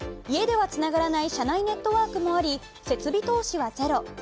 家ではつながらない社内ネットワークもあり設備投資はゼロ。